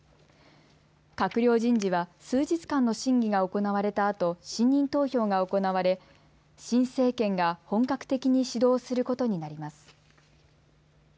閣僚人事は数日間の審議が行われたあと信任投票が行われ新政権が本格的に始動することになります。